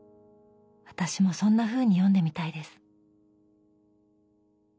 私もそんなふうに読んでみたいです。